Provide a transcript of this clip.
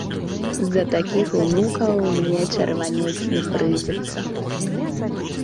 З-за такіх унукаў мне чырванець не прыйдзецца.